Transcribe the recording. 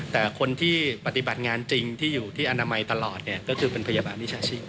แต่คนที่ปฏิบัติงานจริงที่อยู่ที่อนามัยตลอดเนี่ยก็คือเป็นพยาบาลวิชาชีพ